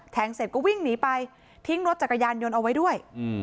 เสร็จก็วิ่งหนีไปทิ้งรถจักรยานยนต์เอาไว้ด้วย